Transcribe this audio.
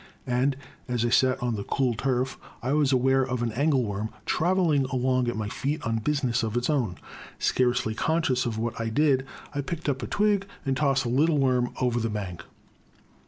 And as I sat on the cool turf, I was aware of an angle worm, travelling along at my feet on business of its own. Scarcely conscious of what I did, I picked up a twig and tossed the little worm over the bank.